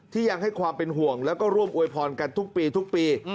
ยังให้ความเป็นห่วงแล้วก็ร่วมอวยพรกันทุกปีทุกปี